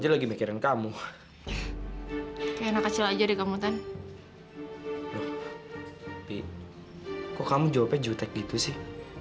loh bi kok kamu jawabnya jutek gitu sih